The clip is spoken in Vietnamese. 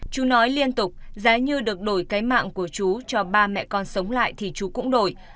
chú nói liên tục giá như được đổi cái mạng của chú cho ba mẹ con sống lại thì chú cũng đổi